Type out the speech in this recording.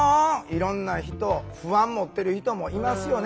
いろんな人不安持ってる人もいますよね？